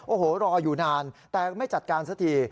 โอ้โหรออยู่นานแต่ไม่จัดการสักที